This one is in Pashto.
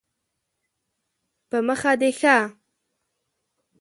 په مخه دې ښه